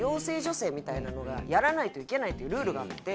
生みたいなのがやらないといけないというルールがあって。